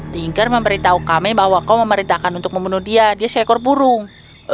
tinker memberitahu kami bahwa kau memerintahkan untuk membunuh dia dia seekor burung